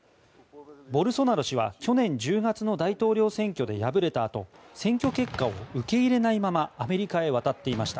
ボルソナロ氏は去年１０月の大統領選挙で敗れたあと選挙結果を受け入れないままアメリカへ渡っていました。